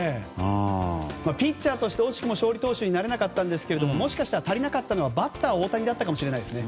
ピッチャーとして惜しくも勝利投手になれなかったんですがもしかしたら足りなかったのはバッター大谷だったのかもしれないですね。